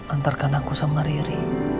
antarkan aku sama riri